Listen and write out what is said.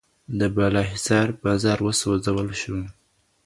د بالاحصار بازار وسوځول شو.